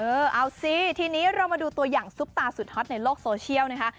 เออเอาสิทีนี้เรามาดูตัวอย่างซุปตาสุดฮอตในโลกโซเชียลนะคะ